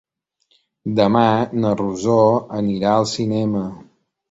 Demà na Rosó anirà al cinema.